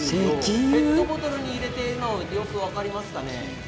ペットボトルに入れているのを見るとよく分かりますかね。